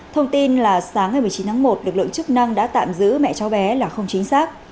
thông tin là sáng ngày một mươi chín tháng một lực lượng chức năng đã tạm giữ mẹ cháu bé là không chính xác